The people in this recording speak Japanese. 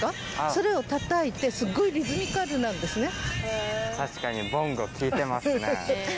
それを叩いてすごいリズミカルなんですね。